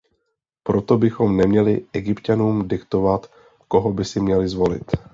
Proto bychom neměli Egypťanům diktovat, koho by si měli zvolit.